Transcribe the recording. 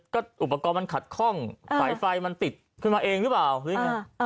ก็อุปกรณ์มันขัดคล่องไฟไฟมันติดขึ้นมาเองหรือเปล่าเออ